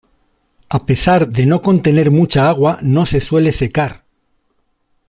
A pesar de no contener mucha agua no se suele secar.